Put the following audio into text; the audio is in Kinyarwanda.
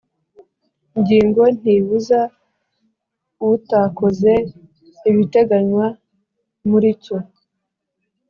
Ngingo ntibuza utakoze ibiteganywa muri icyo